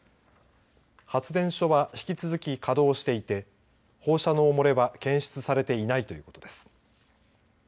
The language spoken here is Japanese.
発電所は引き続き稼働していて放射能漏れは検出されていないということです。